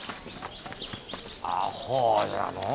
あほうじゃのう。